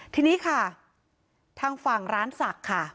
ทีนี้ค่ะทางฝั่งร้านศักดิ์ค่ะ